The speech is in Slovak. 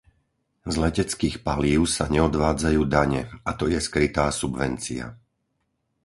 Z leteckých palív sa neodvádzajú dane, a to je skrytá subvencia.